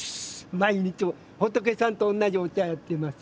毎日仏さんと同じお茶やってます。